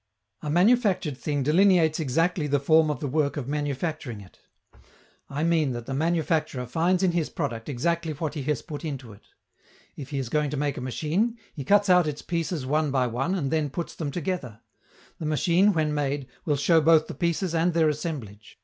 A manufactured thing delineates exactly the form of the work of manufacturing it. I mean that the manufacturer finds in his product exactly what he has put into it. If he is going to make a machine, he cuts out its pieces one by one and then puts them together: the machine, when made, will show both the pieces and their assemblage.